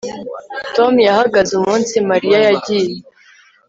Tom yahageze umunsi Mariya yagiye